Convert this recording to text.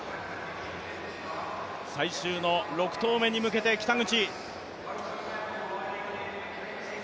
最終の６投目に向けて北口。